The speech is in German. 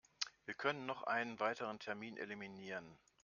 Wir können noch einen weiteren Term eliminieren.